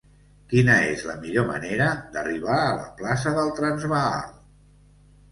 Quina és la millor manera d'arribar a la plaça del Transvaal?